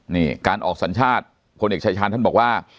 นี่การออกสัญชาติพลเอกชายชาญท่านบอกว่า